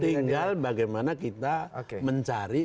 tinggal bagaimana kita mencari